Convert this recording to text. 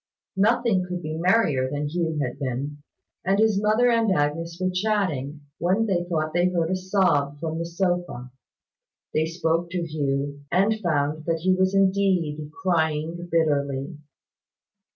Nothing could be merrier than Hugh had been; and his mother and Agnes were chatting, when they thought they heard a sob from the sofa. They spoke to Hugh, and found that he was indeed crying bitterly.